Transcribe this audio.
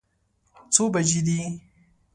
څو بجې دي؟